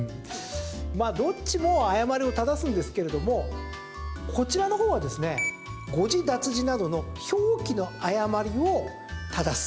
どっちも誤りを正すんですけれどもこちらのほうは誤字脱字など表記の誤りを正す。